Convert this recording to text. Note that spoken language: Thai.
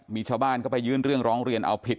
มีชาวบ้านเข้าไปยื่นเรื่องร้องเรียนเอาผิด